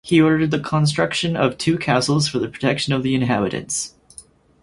He ordered the construction of two castles for the protection of the inhabitants.